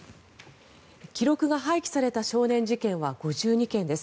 記録が廃棄された少年事件は５２件です。